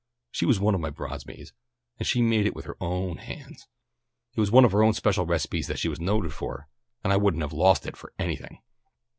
She was one of my bridesmaids, and she made it with her own hands. It was one of her own special recipes that she was noted for, and I wouldn't have lost it for anything."